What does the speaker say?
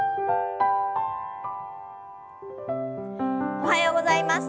おはようございます。